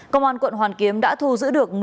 công an quận hoàn kiếm đã thu giữ được